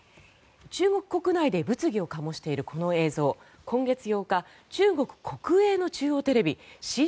中国国内で物議を醸しているこの映像、今月８日中国国営の中央テレビ